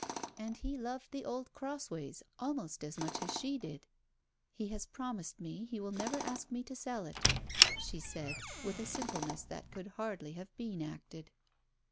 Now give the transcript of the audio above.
And he loved the old Crossways almost as much as she did. 'He has promised me he will never ask me to sell it,' she said, with a simpleness that could hardly have been acted.